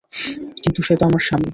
কিন্তু, সে তো আমার স্বামী।